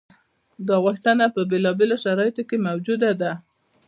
دا غوښتنه په بېلابېلو شرایطو کې موجوده ده.